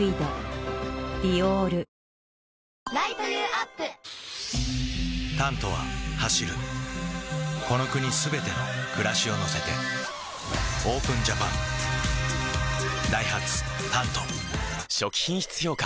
Ｎｏ．１「タント」は走るこの国すべての暮らしを乗せてＯＰＥＮＪＡＰＡＮダイハツ「タント」初期品質評価